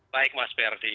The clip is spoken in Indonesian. baik mas verdi